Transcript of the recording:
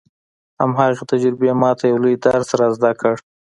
هماغې تجربې ما ته يو لوی درس را زده کړ.